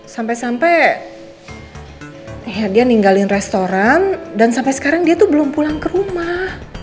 sampai sampai akhirnya dia ninggalin restoran dan sampai sekarang dia tuh belum pulang ke rumah